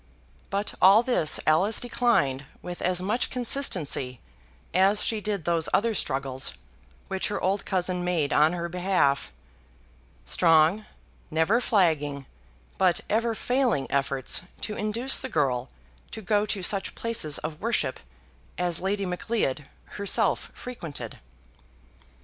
But all this Alice declined with as much consistency as she did those other struggles which her old cousin made on her behalf, strong, never flagging, but ever failing efforts to induce the girl to go to such places of worship as Lady Macleod herself frequented.